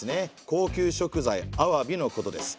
高級食材アワビのことです。